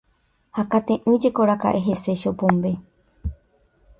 Hakate'ỹjekoraka'e hese Chopombe.